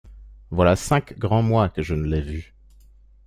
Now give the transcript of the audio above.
Voilà cinq grands mois que je ne l'ai vue.